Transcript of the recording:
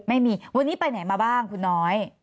ไม่มีวันนี้ไปไหนมาบ้างคุณน้อย